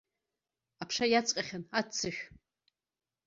Аԥша иацҟьахьан аццышә.